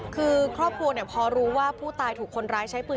คือครอบครัวพอรู้ว่าผู้ตายถูกคนร้ายใช้ปืน